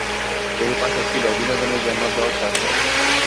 এর পাশে ছিল বিনোদনের জন্য জলসা ঘর।